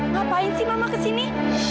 ngapain sih mama kesini